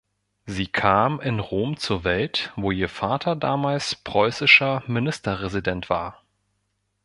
Sie kam in Rom zur Welt, wo ihr Vater damals preußischer Ministerresident war.